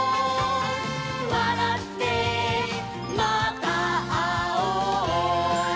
「わらってまたあおう」